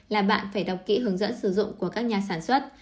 là bạn phải đọc kỹ hướng dẫn sử dụng của các nhà sản xuất